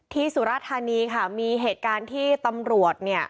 สุรธานีค่ะมีเหตุการณ์ที่ตำรวจเนี่ย